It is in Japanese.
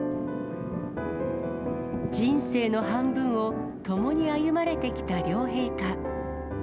人生の半分を共に歩まれてきた両陛下。